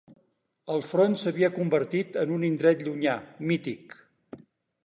El front s'havia convertit en un indret llunyà, mític